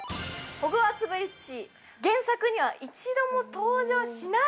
ホグワーツ・ブリッジ、原作には一度も登場しない！